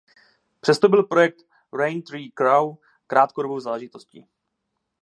Přesto byl projekt Rain Tree Crow krátkodobou záležitostí.